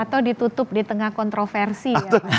atau ditutup di tengah kontroversi ya